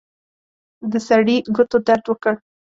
د سړي ګوتو درد وکړ.